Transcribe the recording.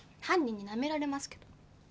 犯人になめられますけど。